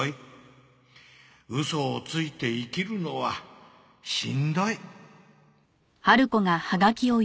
「嘘を吐いて生きるのはしんどい」